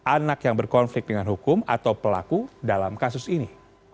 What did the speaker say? anak yang berkonflik dengan hukum atau pelaku dalam kasus ini